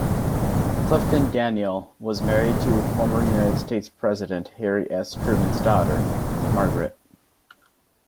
Clifton Daniel was married to former United States President Harry S Truman's daughter, Margaret.